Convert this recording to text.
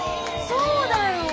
そうだよ。